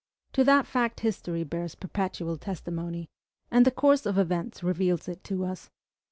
To that fact history bears perpetual testimony, and the course of events reveals it to us.